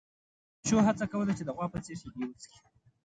پيشو هڅه کوله چې د غوا په څېر شیدې وڅښي.